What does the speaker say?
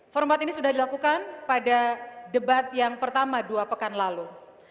format ini sudah dilakukan pada debat yang pertama dua pekan lalu